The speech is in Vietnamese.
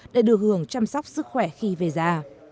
để được hưởng chăm sóc sức khỏe khi về già